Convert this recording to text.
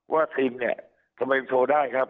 ว่าสินเนี่ยทำไมโชว์ได้ครับ